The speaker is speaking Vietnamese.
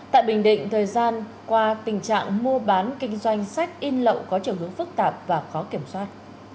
tại bình định thời gian qua tình trạng mua bán kinh doanh sách in lậu có chiều hướng phức tạp và khó kiểm soát